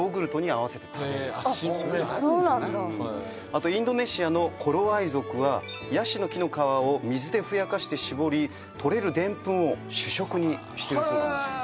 あとインドネシアのコロワイ族はヤシの木の皮を水でふやかして搾り採れるデンプンを主食にしてるそうなんですよ。